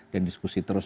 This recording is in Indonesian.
dan diskusi terus